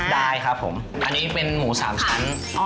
ได้ครับผมอันนี้เป็นหมู๓ชั้น